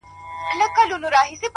• ناپوه دومره په بل نه کوي لکه په ځان ,